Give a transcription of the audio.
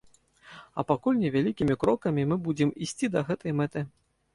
А пакуль невялікімі крокамі мы будзем ісці да гэтай мэты.